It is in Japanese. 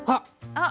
あっ！